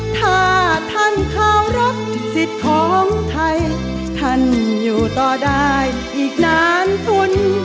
ถ้าท่านเคารพสิทธิ์ของไทยท่านอยู่ต่อได้อีกนานทุน